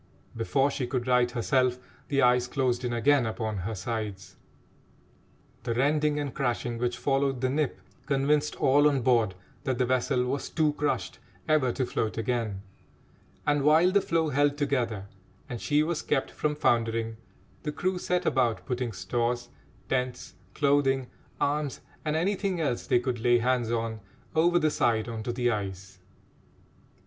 Before she could right herself, the ice closed in again upon her sides. The rending and crashing which followed the "nip" convinced all on board that the vessel was too crushed ever to float again, and, while the floe held together and she was kept from foundering, the crew set about putting stores, tents, clothing, arms, and anything else they could lay hands on, over the side on to the ice.